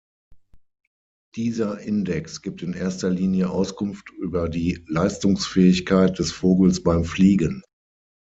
Dieser Index gibt in erster Linie Auskunft über die Leistungsfähigkeit des Vogels beim Fliegen.